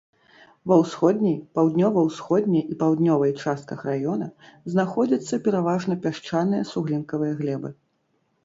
Ва ўсходняй, паўднёва-ўсходняй і паўднёвай частках раёна знаходзяцца пераважна пясчаныя суглінкавыя глебы.